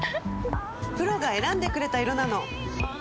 プロが選んでくれた色なの！